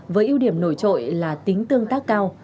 với ưu điểm nổi trội là tính tương tác cao